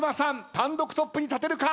単独トップに立てるか。